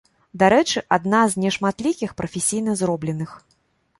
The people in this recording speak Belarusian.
Дарэчы, адна з нешматлікіх прафесійна зробленых.